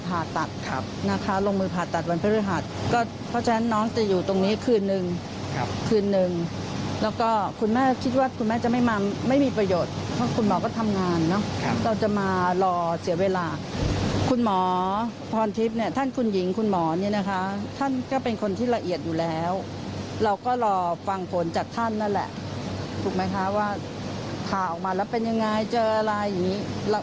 ผ่าออกมาแล้วเป็นยังไงเจออะไรอย่างนี้